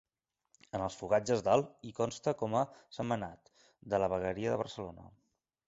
En els fogatges del i consta com a Sentmenat, de la vegueria de Barcelona.